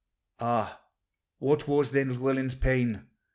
363 Ah, what was then Llewellyn's pain!